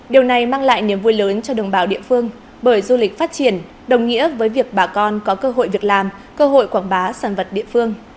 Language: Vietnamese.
điều này mang lại niềm vui lớn cho đồng bào địa phương bởi du lịch phát triển đồng nghĩa với việc bà con có cơ hội việc làm cơ hội quảng bá sản vật địa phương